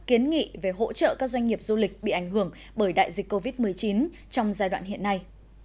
kiến nghị về hỗ trợ các doanh nghiệp du lịch bị ảnh hưởng bởi đại dịch covid một mươi chín trong giai đoạn hiện nay